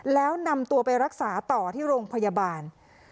แล้วนำตัวไปรักษาต่อที่โรงพยาบาล